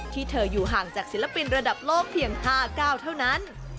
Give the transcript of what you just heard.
ที่เธออยู่ห่างจากศิลปินระดับโลกเพียง๕๙เท่านั้น